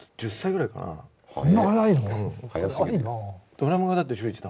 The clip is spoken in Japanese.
ドラムがだって小。